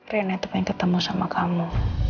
rina ketemu sama kamu